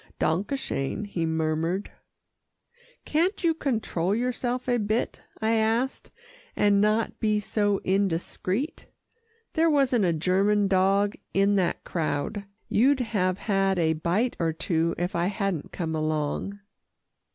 "Danke schön," he murmured. "Can't you control yourself a bit?" I asked, "and not be so indiscreet? There wasn't a German dog in that crowd. You'd have had a bite or two, if I hadn't come along."